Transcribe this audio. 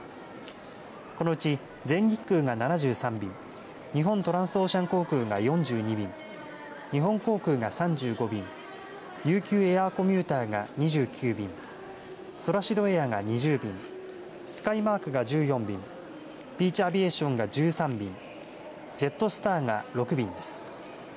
このうち全日空が７３便日本トランスオーシャン航空が４２便日本航空が３５便琉球エアーコミューターが２９便ソラシドエアが２０便スカイマークが１４便ピーチ・アビエーションが１３便ジェットスターが６便です。